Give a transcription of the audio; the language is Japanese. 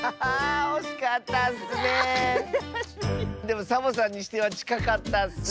でもサボさんにしてはちかかったッス！